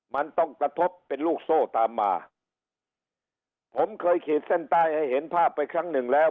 มันต้องกระทบเป็นลูกโซ่ตามมาผมเคยขีดเส้นใต้ให้เห็นภาพไปครั้งหนึ่งแล้ว